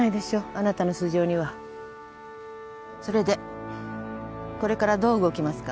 あなたの素性にはそれでこれからどう動きますか？